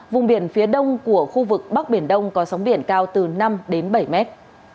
vùng biển phía đông của khu vực bắc biển đông có sóng biển cao từ năm đến bảy mét